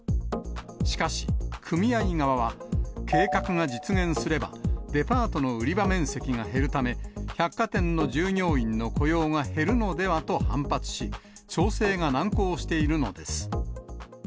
しかし、組合側は計画が実現すれば、デパートの売り場面積が減るため、百貨店の従業員の雇用が減るのではと反発し、調整が難航しているのです。